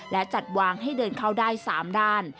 และจัดวางให้เดินเข้าได้๓ด้าน